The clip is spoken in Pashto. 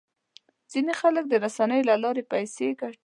ځینې خلک د رسنیو له لارې پیسې ګټي.